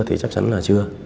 thì chắc chắn là chưa